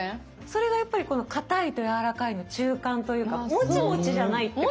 それがやっぱりこのかたいとやわらかいの中間というかモチモチじゃないってことですよね？